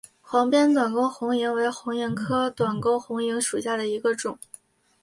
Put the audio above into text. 黄边短沟红萤为红萤科短沟红萤属下的一个种。